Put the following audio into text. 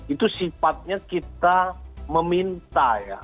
itu sifatnya kita meminta ya